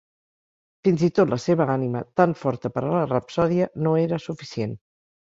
Fins-i-tot la seva ànima, tant forta per a la rapsòdia, no era suficient.